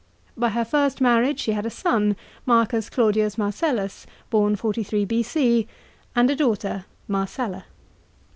By her first marriage she had a son, M. Claudius Marcellus (born 43 B.C.), and a daughter Marcella.